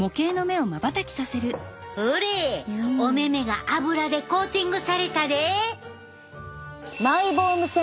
ほれお目々がアブラでコーティングされたで！